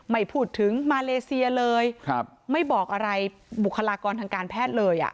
ไม่พูดถึงมาเลเซียเลยไม่บอกอะไรบุคลากรทางการแพทย์เลยอ่ะ